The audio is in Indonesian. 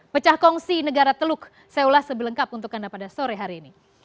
pecah kongsi negara teluk saya ulas sebelengkap untuk anda pada sore hari ini